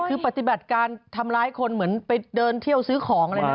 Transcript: คือปฏิบัติการอยากทำร้ายคนเหมือนไปเดินที่เลี้ยวซื้อของ